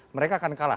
mereka akan kalah